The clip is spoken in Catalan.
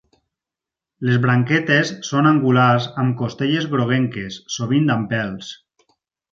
Les branquetes són angulars amb costelles groguenques, sovint amb pèls.